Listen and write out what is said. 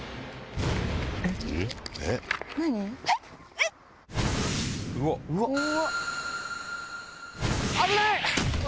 えっ⁉危ない！